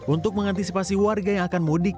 untuk mengantisipasi warga yang akan mudik